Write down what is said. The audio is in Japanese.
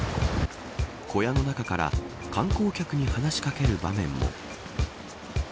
小屋の中から観光客に話し掛ける場面も。